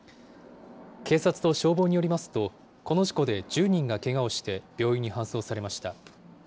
警察と消防によりますと、この事故で１０人がけがをして病院に搬送されました。